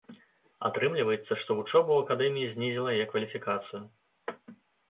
Атрымліваецца, што вучоба ў акадэміі знізіла яе кваліфікацыю.